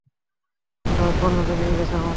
আদালত পর্যন্ত নিয়ে গেছে আমাদের।